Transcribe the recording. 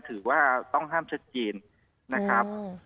ถือว่าต้องห้ามชัดเจนนะครับ